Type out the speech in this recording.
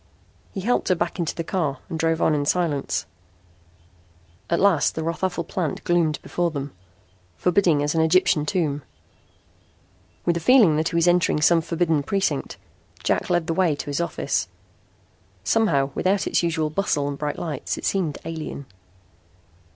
He helped her back into the car and drove on in silence. At last the Rothafel plant gloomed before them, forbidding as an Egyptian tomb. With a feeling that he was entering some forbidden precinct, Jack led the way to his office. Somehow, without its usual bustle and bright lights, it seemed alien.